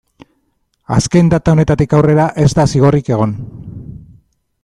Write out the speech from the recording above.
Azken data honetatik aurrera ez da zigorrik egon.